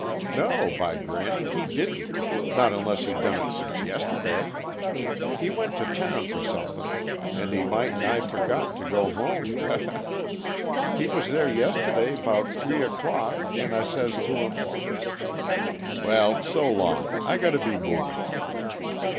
"No, by granny! he didn't not unless he done it since yest'day. He went to town for suthin, and he might' nigh forgot to go home he he! He was there yest'day about three o'clock, an' I says to him " "Well, so long; I got to, be moving."